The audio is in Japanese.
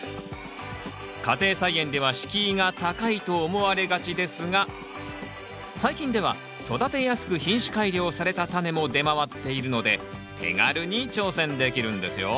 家庭菜園では敷居が高いと思われがちですが最近では育てやすく品種改良されたタネも出回っているので手軽に挑戦できるんですよ。